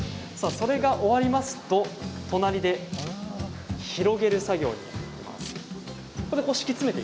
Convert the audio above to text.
それが終わりますと隣で広げる作業にいきます。